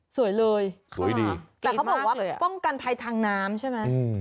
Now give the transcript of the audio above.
สวยเลยสวยดีสวยมากเลยอ่ะแต่เขาบอกว่าป้องกันภายทางน้ำใช่ไหม